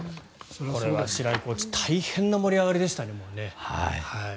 白井コーチ大変な盛り上がりでしたもんね。